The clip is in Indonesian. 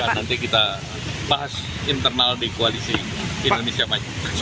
nanti kita bahas internal di koalisi indonesia maju